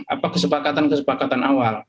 apa kesepakatan kesepakatan awal